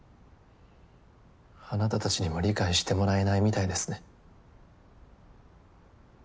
あなたたちにも理解してもらえないみたいですね。